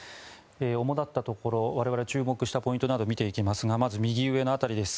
主立ったところ我々注目したポイントなど見ていきますがまず、右上の辺りです。